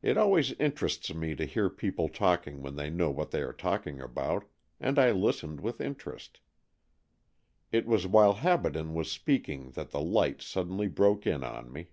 It always interests me to hear people talking when they know what they are talking about, and I listened with interest. It was while Habaden was speak ing that the light suddenly broke in on me.